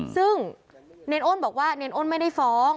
ซึ่งเนรอ้นบอกว่าเนรอ้นไม่ได้ฟ้อง